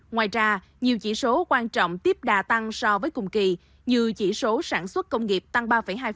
ngoài ra nhiều chỉ số quan trọng tiếp đà tăng so với cùng kỳ như chỉ số sản xuất công nghiệp tăng ba hai